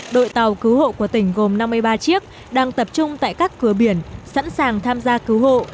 đội tàu cứu hộ của tỉnh gồm năm mươi ba chiếc đang tập trung tại các cửa biển sẵn sàng tham gia cứu hộ